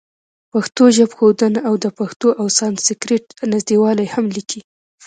پښتو ژبښودنه او د پښتو او سانسکریټ نزدېوالی هم لیکلي.